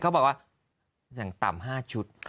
เขาบอกว่าอย่างต่ำ๕ชุด